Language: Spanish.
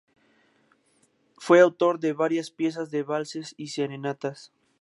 Fue autor de varias piezas de valses y serenatas.